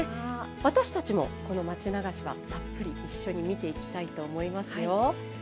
私たちも、この町流しはたっぷり一緒に見ていきたいと思いますよ。